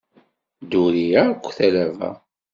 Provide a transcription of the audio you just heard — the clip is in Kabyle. Dduriɣ-ak talaba.